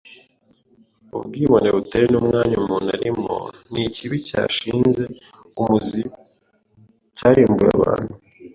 Ubwibone butewe n’umwanya umuntu arimo ni ikibi cyashinze umuzi cyarimbuye abantu